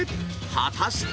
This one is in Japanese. ［果たして⁉］